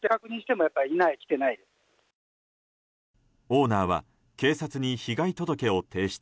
オーナーは警察に被害届を提出。